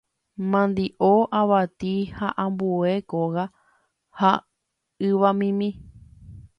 mandi'o, avati ha ambue kóga ha yvamimi.